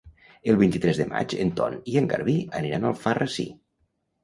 El vint-i-tres de maig en Ton i en Garbí aniran a Alfarrasí.